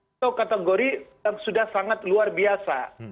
itu kategori yang sudah sangat luar biasa